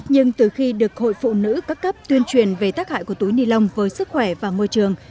nhưng từ khi được hội phụ nữ các cấp tuyên truyền về tác hại của túi ni lông với sức khỏe và môi trường